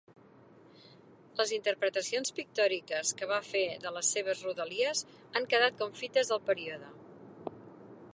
Les interpretacions pictòriques que va fer de les seves rodalies han quedat com fites del període.